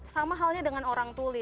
sama halnya dengan orang tuli